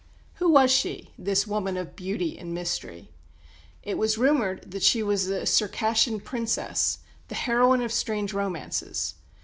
Who was she, this woman of beauty and mystery? It was rumoured that she was a Circassian Princess, "the heroine of strange romances."